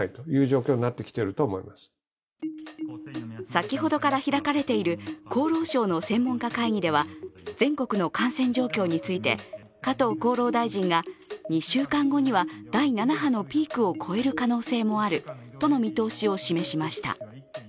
先ほどから開かれている厚労省の専門家会議では全国の感染状況について加藤厚労大臣が２週間後には第７波のピークを超える可能性もあるとの見通しを示しました。